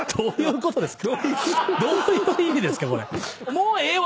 「もうええわ」